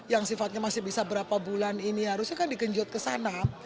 yang sifatnya masih bisa berapa bulan ini harusnya kan dikejut ke sana